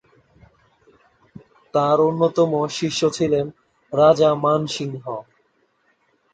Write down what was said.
তাঁর অন্যতম শিষ্য ছিলেন রাজা মানসিংহ।